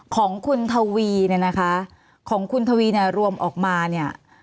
ของคุณทวีเนี่ยนะคะของคุณทวีเนี่ยรวมออกมาเนี่ย